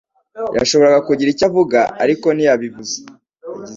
yashoboraga kugira icyo avuga, ariko ntiyabivuze.